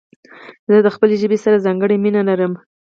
زه د خپلي ژبي سره ځانګړي مينه لرم.